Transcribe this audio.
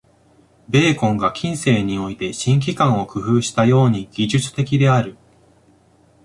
ベーコンが近世において「新機関」を工夫したように、技術的である。